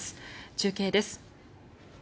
中継です。